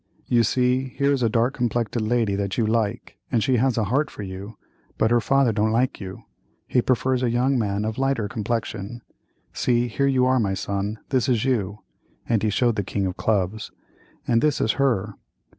You see, here is a dark complected lady that you like, and she has a heart for you, but her father don't like you—he prefers a young man of lighter complexion—see, here you all are, my son. This is you," and he showed the king of clubs—"and this is her."